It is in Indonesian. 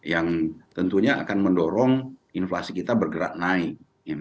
yang tentunya akan mendorong inflasi kita bergerak naik